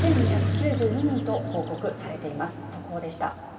８２９２人と報告されています。